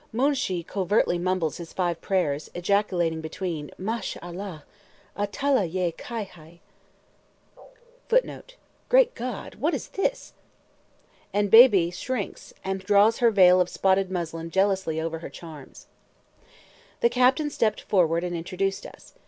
Moonshee covertly mumbles his five prayers, ejaculating between, Mash Allah! A Tala yea kia hai? [Footnote: "Great God! what is this?"] and Beebe shrinks, and draws her veil of spotted muslin jealously over her charms. The captain stepped forward and introduced us.